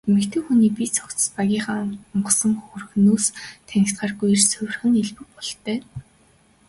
Эмэгтэй хүний бие цогцос багынхаа гунхсан хөөрхнөөс танигдахгүй эрс хувирах нь элбэг бололтой.